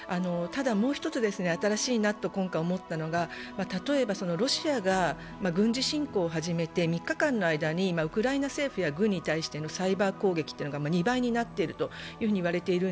ただもう１つ新しいなと今回、思ったのは例えばロシアが軍事侵攻を始めて３日間の間にウクライナ政府や軍に対してのサイバー攻撃が２倍になっていると。